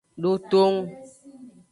Dotong.